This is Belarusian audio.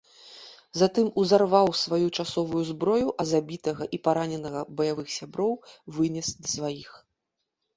Затым узарваў сваю часовую зброю, а забітага і параненага баявых сяброў вынес да сваіх.